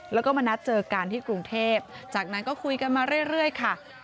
แล้วก็มานัดเจอกันที่กรุงเทพจากนั้นก็คุยกันมาเรื่อยค่ะ